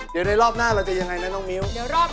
เดี๋ยวในรอบหน้าเราจะยังไงนะน้องมิ้ว